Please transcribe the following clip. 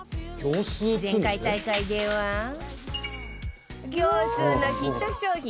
前回大会では業スーのヒット商品